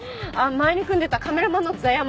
前に組んでたカメラマンの座山。